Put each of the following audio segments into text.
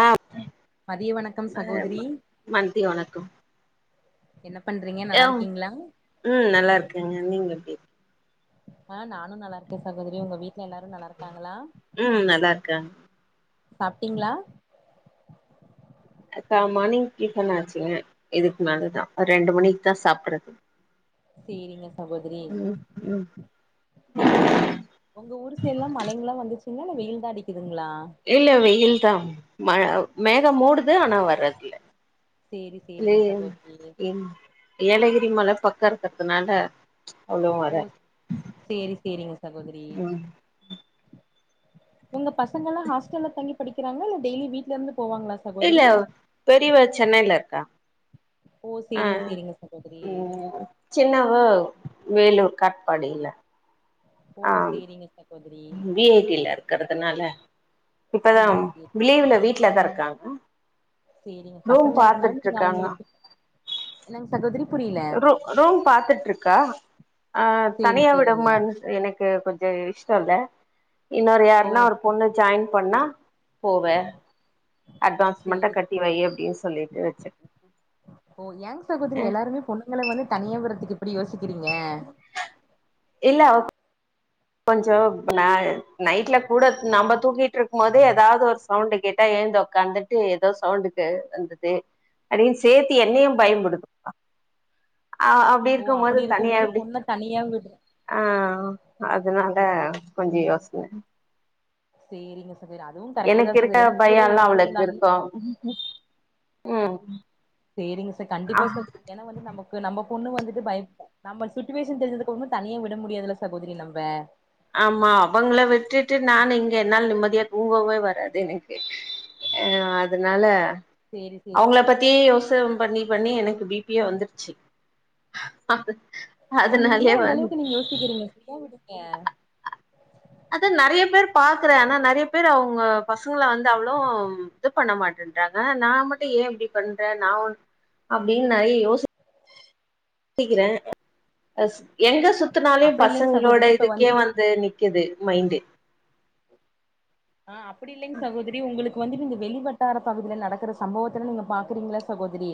ஆஹ் மதிய வணக்கம் ம சகோதரி ம மத்திய வணக்கம் என்ன பண்றீங்க நல்லா எம் இருக்கீங்களா உம் நல்லா இருக்கங்க நீங்க எப்டி இருக் ஆஹ் நானும் நல்லா இருக்கே சகோதரி உங்க வீட் ல எல்லாரும் நல்லா இருக்காங்ளா ம் நல்லா இருக்காங்க சாப்ட்டீங்ளா இப்ப மார்னிங் டிஃபன் ஆச்சுங்க இதுக்கு மேலதா ஒர் ரெண்டு மணிக்கு தா சாப்புட்றது சேரிங்க உம் உம் ஒங்க ஊரு சைட்லா மழைங்லா வந்துச்சுங்ளா இல்ல வெயில் தா அடிக்கி இல்ல வெயில் தா மழ மேக மூடுது ஆனா வர்றக்கில்ல சேரி சேரிங்க உம் சகோதரி உம் ஏலகிரி மலப் பக்க இருக்கற்த்துனால ஓ சேரி சேரிங்க சகோதிரி ம் ஒங்க பசங்கலா ஹாஸ்டல்ல தங்கிப் படிக்கிறாங்ளா இல்ல டெய்லி வீட்ல இருந்துப் இல்ல பெரியவ சென்னைல இருக்கா ஓ சேரிங்க அஹ் சேரிங்க சகோதரி உம் சின்னவ வேலூர் காட்பாடில ஓ ஆ சேரிங்க சக் வி ஐ டி ல இருக்கறதுனால இப்பதா சேரி சேரி லீவுல வீட்லதா இருக் காபுள் சேரிங்க பசங்க இருக்கனால நீங்க அவ்ங்களுக்கு என்னங்க சகோதிரி ரூ ரூம் பாத்துட்ருக் க்கா அஹ் சேரி தனியா சேரிங்க விடம்மானு எனக்கு கொஞ் சோ இஷ்ட இல்ல இன்னொரு ஓ யார்னா ஒரு பொண்ணு ஜாயின் பண்ணா போவேன் சேரி சொல்லிட்டு வச்சிருக்கே ஓ ஏங் சகோதரி எல்லாருமே பொண்ணுங்கள வந்து தனிய விர்ரதுக்கு அப்டி யோசிக்கிறீங்க ஆ இல்ல கொஞ்சோ ந நைட்ல கூட நம்ம தூக்கிட்டு இருக்கும் போதே ஏதாவது ஒரு சவுண்டு கேட்டா எழுந்து உக்காந்துட்டு ஏதோ சவுண்டுக்கு வந்தது அப்டின்னு சேத்து என்னயும் பயம்புடுத்துவா அஹ் அப்டி ஓ இருக்கும்போது அப்டி இருக்கும் தனியா போது எப்டி பொண்ண தனியா விட்ற ஆஹ் அதுனால கொஞ்ச யோசனை சேரிங்க ச எனக்கு இருக்க பயம்ல்லாம் அவளுக்கு இருந்தாங்க இருக்கும் உம் செரிங்க ச கண்டிப்பா சகோதரி ஏன்னா வந்து நமக்கு நம்ம பொண்ணு வந்துட்டு பயப் நம்ம சுச்சுவேஷன் தெரிஞ்சதுக்கு அப்றமு தனியே விட முடியாதுல்ல சகோதிரி நம்ம ஆமா அவங்கள விட்டுட்டு நான் இங்க என்னால நிம்மதியா துங்கவே வராது எனக்கு அஹ் அதுனால சேரி சேரி அவுங்கள பத்தியே யோசன பண்ணி பண்ணி எனக்கு பி பியே வந்துருச்சு ஓ நீங்க அதனாலயே ஏன் வந்து அந்தளவுக்கு நீங்க யோசிக்கிறீங்க ஃப்ரியா விடுங் க அதான் நெறைய பேரு பாக்குறே ஆனா நெறைய பேர் அவுங்க பசங்கள வந்து அவ்ளோ இது பண்ண மாட்டேன்றாங்க நான் மட்டும் ஏன் இப்டி பண்றேன் நான் அப்டின்னு நெறைய யோசிப் சிக்கிறே எங்க சு சுத்துனாலும் அப்டி இல்லைங்க பசங்களோட சகோதரி இப்ப இதுக்கே வந்து நிக்கிது மைண்டு ஆஹ் அப்டி இல்லைங்க சகோதிரி உங்களுக் கு வந்து நீங்க வெளிவட்டார பகுதில நடக்கிற சம்பவத்துல நீங்க பாக்குறீங்கள்ள சகோதிரி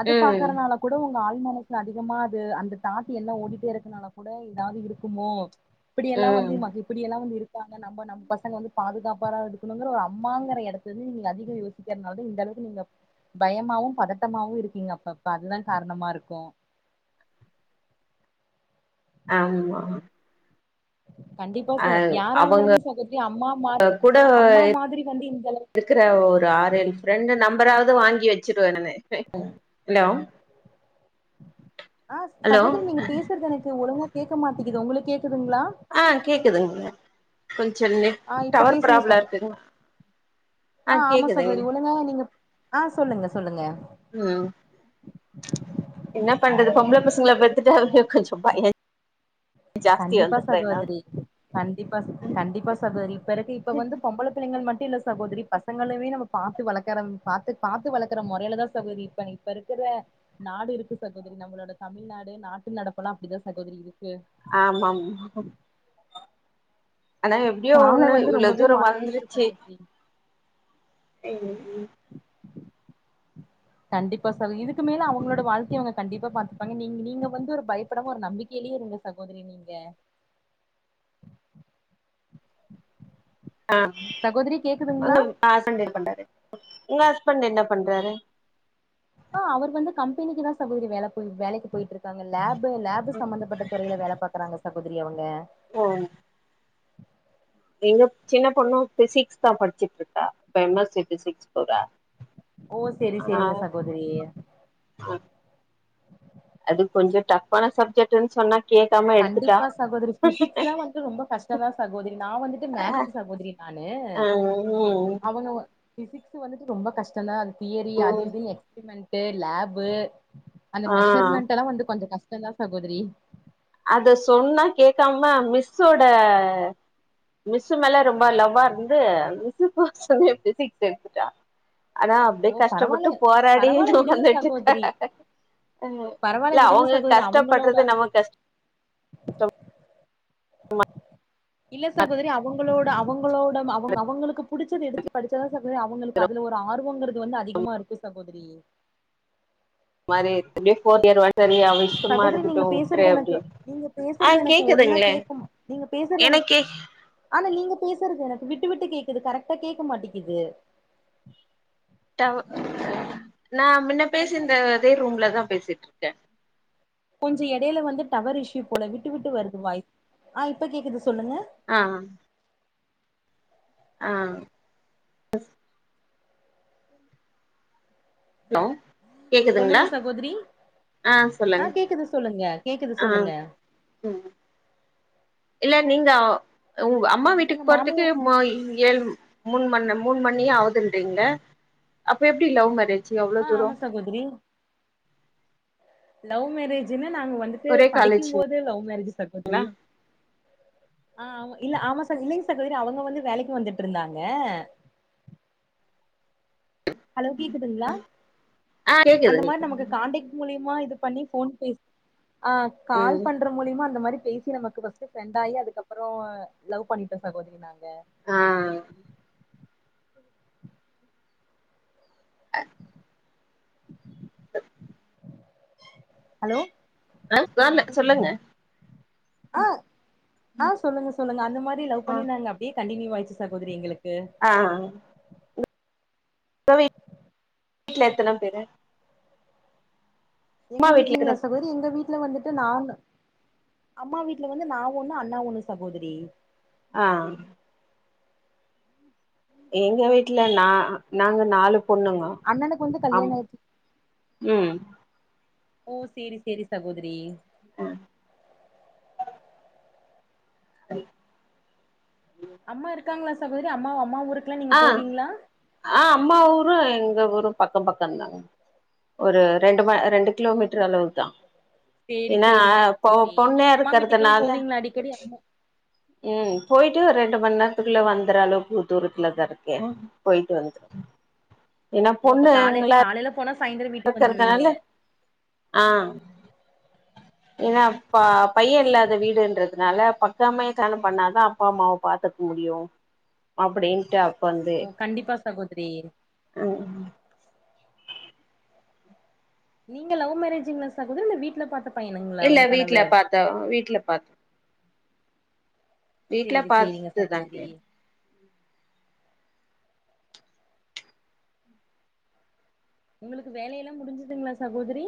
அது ம் பாக்குறனால கூட உங் க ஆழ்மனசுல அதிகமா அது அந்த தாட் என்ன ஓடிட்டே இருக்கனால கூட ஏதாவது இருக்குமோ இப்டியெல்லாம் வந்து ம் இப்படிய எல்லாம் வந்து இருக்காங்க நம்ம நம்ம பசங்க வந்து பாதுகாப்பாரா இருக்கணுங்கற ஒரு அம்மாங்கிற இடத்துல இருந்து நீங்க அதிகம் யோசிக்கிறதுனால தான் இந்த அளவுக்கு நீங்க பயமாவும் பதட்டமாவும் இருக்கீங்க அப்ப அப்ப அதுதான் காரணமா இருக்கும் ஆமா கண்டிப்பா அ சகோ யாரா அவங்க இருந்தாலுமே சகோதரி அம்மா மாதிரி கூட ஆஹ் அம்மா மாதிரி வந்து இந்தளவு ம்பராது வாங்கி வச்சிருவ இனிமே ஹலோ ஆஹ் ஹலோ சகோதரி நீங்க பேசுறது எனக்கு ஒழுங்கா கேக்க மாட்டிகிது உங்களுக் கேக்குதுங்ளா ஆஹ் கேக்குதுங்க கொஞ் சொல்லு ஆ இப்ப டவர் பேசுங்க ப்ராப்ள ச இருக்குங்க ஆஹ் கேக்குதுங் ஆஹ் சொல்லுங்க சொல்லுங்க உம் என்ன பண்றது பொம்பள பசங்கள பெத்துட்டாவே கொஞ்சோ பய ஜாஸ்தி கண்டிப்பா வந்துருது என்னால சகோதரி கண்டிப்பா கண்டிப்பா சகோதரி இப்ப இருக்கு இப்ப வந்து பொம்பள பிள்ளைங்கள் மட் டு இல்ல சகோதரி பசங்களவே நம்ம பாத்து வளக்கறம் பாத்து பாத்து வளக்குற மொறைல தா சகோதிரி இப்ப இப்ப இருக்கிற நாடு இருக்கு சகோதரி நம்மளோட தமிழ்நாடு நாட்டு நடப்பெல்லா அப்டிதா சகோதரி இருக்கு ஆமா ஆமா ஆனா எப்டியோ கால ஒன்னு வந்து இவ்ள ரொம்பவே தூரோ மாறிட்டு இருக்கு வந்துருச்சு சகோதரி [unintelligible] கண்டிப்பா சகோ இதுக் கு மேல அவ்ங்களோட வாழ்க்கை அவ்ங்க கண்டிப்பா பாத்துப்பாங்க நீங்க நீங்க வந்து ஒரு பயப்படாம ஒரு நம்பிக்கைலே இருங்க சகோதரி நீங்க ஆம் சகோதரி கேக்குதுங்களா உன்னோரு பாசங்கள கண்டாவே ஒங்க ஹஸ்பண்ட் என்ன பண்றாரு ஆஹ் அவரு வந்து கம்பெனிக்கு தா சகோதரி வேல போய் வேலைக்கு போய்ட்டு இருக் காங்க லாபு லாபு சம்பந்தப்பட்ட துறைல வேல பாக்குறாங்க ச சகோதரி அவுங்க ஓ எங்க சின்ன பொண்ணு ஃபிசிக்ஸ் தா படிச்சிட்ருக்கா இப்ப எம் எஸ் சி ஃபிசிக்ஸ் போறா ஓ சேரி ஆ சேரிங்க சகோதரி அது கொஞ்சோ டஃப்ஃபான சப்ஜெக்ட்டுனு சொன்னா கேக்காம எடுத்துட்டா கண்டிப்பா சகோதரி ஃபிசிக்ஸ்லா வந்து ரொம்ப கஷ்டந்தா சகோதரி நா வந்துட்டு மேக்ஸு சகோதரி நானு ஆ ம் அவுங்க ஃபிசிக்ஸு வந்துட்டு ரொம்ப கஷ்டந்தா அது தியரி அது ம் இதுனு எக்ஸ்பிரிமெண்ட் ட்டு லாபு அந்த ஆ மெஷர்மெண்டெல்லா வந்து கொஞ்ச கஷ் டந்தா சகோதரி அத சொன்னா கேக்காம மிஸ்ஸோட மிஸ்ஸு மேல ரொம்ப லவ்வா இருந்து ஃபிசிக்ஸ் மிஸ் சொல்லி ஃபிசிக்ஸ் எடுத்துட்டா ஆனா அப்டி ஓ கஷ்டப்பட்டு பரவால்ல போராடி பரவால்ல ட்ரை விடுங்க பண்ணிட்ருக்கா சகோதரி அவ்ங்க பரவால்ல இல்ல விடுங்க அவ்ங்க சகோதரி அவங்களோட கஷ்டப்பட்றது நம்ம கஷ்ட தொல் இல்ல சகோதரி அவுங் அவுங்களோட அவங்களோட அவுங் அவுங்களுக்கு புடிச்சது எடுத்து படிச்சாதா சகோதரி அவங்களுக்கு அதுல ஒரு ஆர்வோங்கிற து வந்து அதிகமா இருக்கு சகோதரி மாரி இருக்கு அப்டியே ஃபோர் இயர் சரி அவ இஷ்டமா சகோதரி இருக்கட்டு நீங்க விட்ரு பேசுறது எனக்கு அப்டின்னு நீங்க ஆ பேசுறது எனக்கு ஒழுங்கா கேக்குதுங்களே கே்க நீங்க பேசுறது எனக்கு எனக்கே ஆனா நீங்க பேசுறது எனக்கு விட்டு விட்டு கேக்குது கரெக்டா கேட்க மாட்டீகுது டவ் நா மின்ன கொஞ்ச பேசிந்த அதே ரூம்லதா பேசி இருக்க கொஞ்சோ இடைல வந்து டவர் இஷ்யூ போல விட்டு விட்டு வருது வாய்ஸ் ஆ இப்ப கேக்குது சொல்லுங்க ஆஹ் ஆஹ் ஹலோ கேக்குதுங்களா சொல்லுங்க சகோதரி ஆ சொல்லுங்க ஆஹ் கேக்குது சொல்லுங்க கேக்குது ஆ சொல்லுங்க ம் இல்ல நீங்க உங் அம்மா வீட்டுக்கு உங்க போறதுக்கு மாமியா ம ஏழு மூணு மண் மூணு மணி ஆவுதுன்றீங்க அப்ப எப்படி லவ் மேரேஜ் அவ்ளோ ஆஹ் தூரோ ஆமா சகோதரி லவ் மேரேஜுனா நாங்க வந்துட்டு ஒரே காலேஜ்ங்களா படிக்கும்போதே லவ் மேரேஜ் சகோதரி ஆ ஆமா இல்ல ஆமா ச இல்லீங் தரி அவுங்க வந்து வேலைக்கு வந்துட்டு இருந்தாங்க ஹலோ கேக்குதுங்ளா ஆ கேக்குது அந்த மாரி நமக்கு காண்டேக்ட் மூலிய மா இது பண்ணி போன் பேசி ஆஹ் கால் ம் பண்ற மூலியமா அந்த மாரி பேசி நமக்கு ஃபர்ஸ்ட் ஃபிரண்டாயி அதுக்கப்புறோ லவ் பண்ணிட்டோ சகோதரி நானு ட ஆ அ ஹலோ அஹ் நாள்ல சொல்லுங்க ஆஹ் ஆஹ் சொல்லுங்க சொல்லுங்க அந்த மாரி லவ் ஆ பண்ணி நாங்க அப்டியே கண்டினியூவாயிருச்சு சகோதரி எங்களுக் ஆ உங்க வீட்ல எத்தன பேரு அம்மா எங்க வீட்ல வீட்டு்லீங்ளா எத்தன சகோதரி எங்க வீட் அம்மா வீட்ல வந்துட்டு நானு அம்மா வீட்ல வந்து நா ஒண்ணு அண்ணா ஒண்ணு சகோதரி ஆஹ் எங்க வீட்ல நா நாங்க நாலு பொண்ணுங்க அண்ணனுக்கு வந்து கல்யாண ஆயிச் உம் ஓ சேரி சேரி சகோதிரி அஹ் ரி அம்மா இருக்காங்களா சகோதிரி அம்மாவு அம்மா ஊருக் ஆஹ் ஆஹ் அம்மா ஊரு எங்க ஊரும் பக்கம் பக்கம் தா ஒரு ரெண்டு ம ரெண்டு கிலோமீட்டர் அளவுக் சேரி சேரி சகோதிரி பொண்ணா நீங்க அம்மா வீட்டுக்குல்லா போவீங்களா அடிக்கடி அம்மா உம் போயிட்டு ஒரு ரெண்டு மணி நேரத்துக்குள்ள வந்துற அளவுக்கு தூரத்துலதா இருக்கேன் போயிட்டு வந்துருவே ஏன்னா ஓ அப்ப பொண்ணு காலை அங்களா காலையில போனா சாயந்தரோ வீட்டுக்கு வந்துருவீங்க இறக்கறக்கறதனால ஆஹ் ஏன்னா ப பையே இல்லாத வீடுன்றதுனால பக்கமே கல்யாணம் பண்ணாதா அப்பா அம்மாவ பாத்துக்க முடியு அப்டின்ட்டு ஓ கண்டிப்பா ச சகோதிரி ஹ நீங்க லவ் மேரேஜுங்களா சகோதிரி இல்ல வீட்ல பாத்த பையனுங்களா இல்ல உங்க வீட்ல கணவர் பாத்த வீட்ல பாத் வீட்ல சேரி சேரிங்க பாத்துதான் சகோதரி [unintelligible] உங்களுக்கு வேலைல்லா முடிஞ்சுதுங்களா சகோதிரி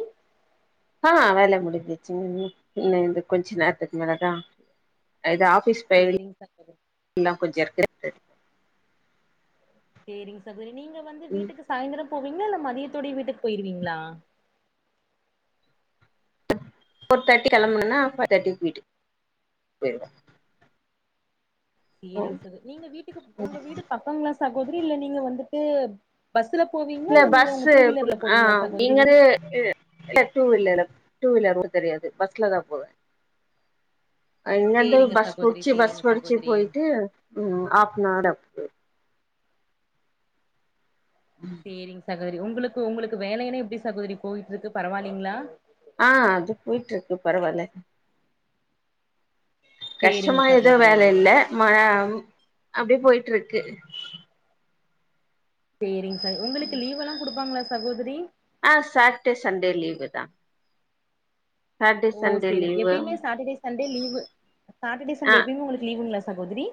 ஆஹ் வேல முடிஞ்சுச்சுங்க இன்ன இந்த கொஞ்ச நேரத்துக்கு மேல தா இது ஆஃப் ஆஃபிஸ் சேரிங்க சகோதரி ஃபைல்லா கொஞ்ச [inaudible] இருக்கு சேரிங் ச திரி நீங்க வந்து ம் வீட்டுக்கு சாய்ந்தரோ போவீங்களா இல்ல மதியத்தோடயே வீட்டுக்கு போயிருவீங்களா ஃபோர் தேர்ட்டி கிளம்பணும்னன்னா ஃபைவ் தேர்ட்டிக்கு வீட்டுக் போய்டுவே சேரிங் சகோ நீங்க வீட்டுக்கு உங்க வீடு பக்கங்களா ச சகோதிரி இல்ல நீங்க வந்துட்டு பஸ்ல போவீங்களா இல்ல நீங்க உங்க பஸ்ஸு டூ வீலர்ல போவீங்களா ஆஹ் சகோதரி இங்க வீட்டுக்கு [inaudible] டூ வீலர் டூ வீலரு ஓட்ட தெரியாது பஸ்ல தா போவே அங்கருந்து சேரிங்க பஸ் சகோதரி புடிச்சு பஸ் சேரிங்க புடிச்சு சகோதரி போய்ட்டு ஆஹ் ஹாஃப்னவர் அப்டி போய்ருவே சேரிங் சகோதரி உங்களுக்கு உங்களுக்கு வேலைையனா எப்டி சகோதரி போயிட்டு இருக்கு பரவாயில்லைங்களா ஆஹ் அது போயிட்டு இருக்கு பரவால்ல சேரிங்க கஷ்டமா ஏதோ சகோதரி வேலையில்ல ம அப்டியே போய்ட்டு ட்ருக்கு சேரிங் உங்களுக்கு லீவு ஈஎல்லா குடுப்பாங்களா சகோதரி ஆ சாட்டர்டே சண்டே லீவு தான் ஓ செரி எப்பயுமே Saturday Sunday leave Saturday Sunday ஆ எப்பயுமே உங்களுக்கு லீவுங்களா சகோதரி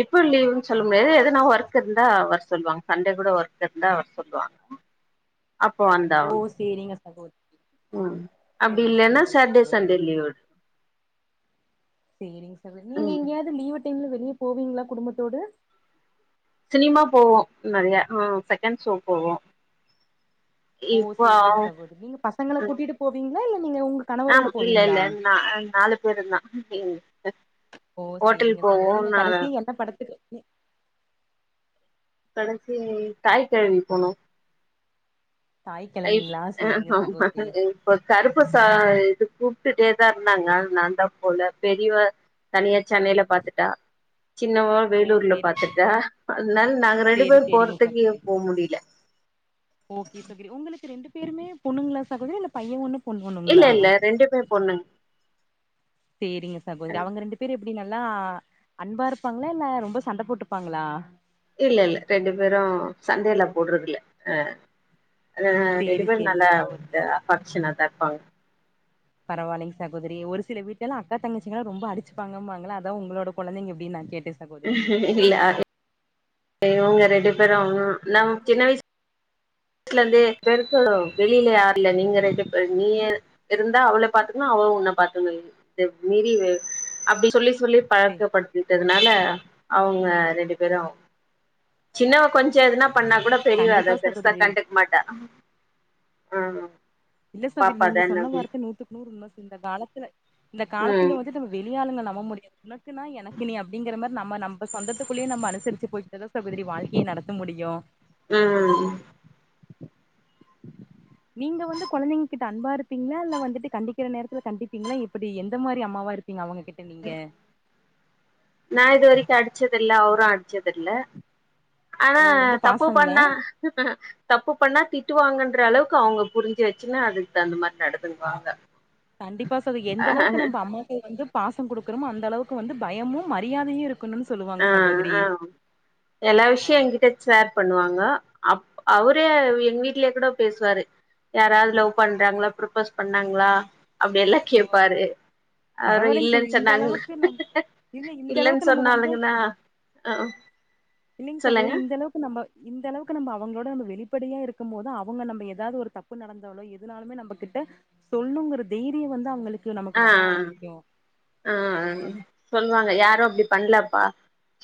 எப்ப லீவுன்னு சொல்ல முடியாது எதுனா ஒர்க் இருந்தா வர சொல்லுவாங்க சண்டே கூட ஒர்க் இருந்தா வர சொல்லுவாங்க அப்போ ஓ வந்தாவணு செரிங்க சகோதரி ம் அப்டி செரி இல்லன்னா செரிங்க சாட்டர்டே சகோதரி சண்டே லீவ் விடு செரிங்க சகோதரி நீங்க ம் எங்கயாவ லீவு நீங்களும் வெளியே போவீங்களா குடும்பத்தோடு சினிமா போவோம் நறைய ஆ செகண்ட் ஷோ போவோம் ஓ செரிங்க சகோதரி நீங்க பசங்கள கூட்டிட்டு போவீங்களா இல்ல நீங்க உங்க ஆம் கணவரோட இல்ல போவீங்களா இல்ல நா நாலு பேரு தா ஓ ஹோட்டல் செரிங்க போவோ சகோதரி நீங்க நா கடைசி என்ன படத்துக்கு எ கடைசி தாய் கெழவி போனோ தாய் இப் கெழவிங்களா சேரிங்க சகோதரி இப்ப கருப்பு ச இது கூப்டுட்டே தா இருந்தாங்க நான்தா போல பெரியவ தனியா சென்னையில பாத்துட்டா சின்னவ ஓ வேலூர்ல சேரி பாத்துட்டா அதனால நாங்க ரெண்டு சேரி பேர் சேரிங்க போறதுக்கு சகோதரி போக முடியல ஓகே சகோதரி உங்களுக்கு ரெண்டு பேருமே பொண்ணுங்களா சகோதரி இல்ல பையே ஒண்ணு பொண்ணு இல்ல ஒண்ணுங்களா இல்ல ரெண்டுமே பொண்ணுங் சேரிங்க சகோதரி அவங்க ரெண்டு பேர் எப் டி நல்லா அன்பா இருப்பாங்களா இல்ல ரொம்ப சண்ட போட்டுப்பாங்களா இல்ல இல்ல ரெண்டு பேரு சண்டேலா போட்றது இல்ல அ அ சேரி ரெண்டுபேரு சேரிங்க நல்லா சகோதரி அஃப்பெக்ஷனா தா இருப்பாங்க பரவால்லைங் சகோதரி ஒரு சில வீட்லலா அக்கா தங்கச்சிங்களா ரொம்ப அடிச்சுப்பாங்கம்பாங்கள அதா உங்களோட குழந்தைங்க எப்டின் நா கேட் இல்ல இவுங்க ரண்டு பேரும் நம் சின்ன வயசு வீட்ல இருந்து [unintelligible] வெளியில இல்ல நீங்க ரெண்டு பே நீ இருந்தா அவள பாத்துக்கனு அவ உன்ன பாத்துக்கனு இத மீறி அப்படி சொல்லி சொல்லி சே பழக்கப்படுத்திட்டதுனால அவுங்க ரெண்டு பேரும் சின்னவன் கொஞ்சம் எதுனா பண்ணா கூட பெரிய அத கண்டிப்பா அத சகோதரி கண்டுக்க மாட்டான் ம் ஹு இல்ல சகோதரி நீங்க சொன்ன வார்த்த நூத்துக்கு நூறு உண்மை இந்த காலத்துல இந்த ம் காலத்துல வந்துத்து வெ வெளிஆளுங்க நம்ப முடியாது ஒண்ணு உனக்கு நா எனக்கு நீ அப்டிங்கிற மாரி நம்ம நம்ப சொந்தத்துக்குள்ளயே நம்ம அனுசரிச்சி போயிட்டாதா சகோதரி வாழ்க்கைய நடத்த முடியோ அ நீங்க வந்து கொழந்தைங்கக்கிட்ட அன்பா இருப்பீங்களா இல்ல வந்துட்டு கண்டிக்கிற நேரதல கண்டிப்பீங்களா எப்டி எந்த மாரி அம்மாவாக இருப்பீங்க அவுங்க கிட்ட நீங்க நா இதுவரைக்கு அடிச்சதில்ல அவ்ரோ அ அடிச்சதில்ல ஆனா ஓ ரொம்ப தப்பு பாசங்களா பண்ணா தப்பு பண்ணா திட்டுவாங்கன்ற அளவுக்கு அவுங்க புரிஞ்சி வச்சின்னு அதுக்குதகுந்த மாரி நடந்துங்குவாங்க கண்டிப்பா சார் எந்த அளவுக்கு நம்ப அம்மாப்பாவ வந்து பாசங்குடுக்கறமோ அந்த அளவுக்கு வந்து பயமு மரியாதையு இருக்கு ஆ ஆ எல்லா ஆ விஷயோ என்கிட்ட சேர் பண்ணுவாங்க அப் அவரு எங்க வீட்லயே கூட பேசுவாரு யாராவது லவ் பண்றாங்களா ப்ரப்போஸ் பண்ணாங்களா அப்டியெல்லா ஓ கேப்பாரு அப்றோ பரவாயில்லைங்க சகோ இல்லன்னு இந்த சொன்னாங்கனா அளவுக்கு நம் இல்ல இந்த இல்லன்னு அளவுக்கு நம்ம சொன்னாலுங்க ஆ ஆ இல்லிங்க சொல்லுங்க சகோதரி இந்த அளவுக்கு நம்ப இந்த அளவுக்கு நம்ப அவுங்களோட நம்ம வெளிப்படையா இருக்கும் போது அவுங்க நம்ப ஏதாது ஒரு தப்பு நடந்தாலோ எதுனாலுமே நம்ப கிட்ட சொல்ன்னுங்கிற தைரிய வந்து அவுங்களுக் க்கு நமக்கு வர ஆரம்பிக்கு ஆ ஆ சொல்வாங்க யாரு அப்டி பண்ணலப்பா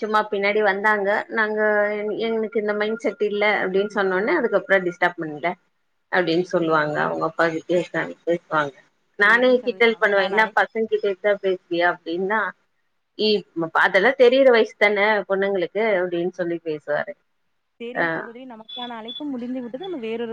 சும்மா பின்னாடி வந்தாங்க நாங்க என் எங்களுக்கு இந்த மைண்ட் செட் இல்ல அப்டின்னு சொன்னோன்ன அதுக்கப்பறோ டிஸ்டர்ப் பண்ணல அப்டின்னு சொல்லுவாங்க சேரிங் ச அவுங்க அப்பாகிட்டயே கேட்டாங்க வெயிட் பண்ணு நானே சேரிங் சகோதரி கிண்டல் பண்ணுவே நமக்கான என்ன அழை பசங்க கிட்ட இப்டி பேசுவியா அப்டின்னா ஏ இந்த பாட்டெல்லா தெரியுற வயசு தான பொண்ணுங்களுக்கு அப்டின்னு சொல்லி பேசுவாரு ஆ செரிங்க சகோதரி நமக்கான அழைப்பும் முடிந்து விட்டது நம்ம வேறொரு